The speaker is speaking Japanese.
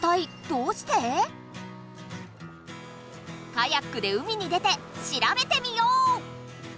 カヤックで海に出てしらべてみよう！